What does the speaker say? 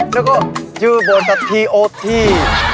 แล้วก็ชื่อโบราสาบบทีโอ้ที่